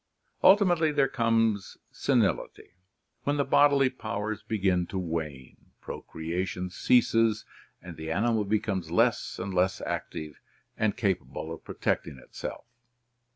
Ultimately there comer, senility, when the bodily powers begin to wane, pro creation ceases, and the animal becomes less and less active and capable of pro tecting itself.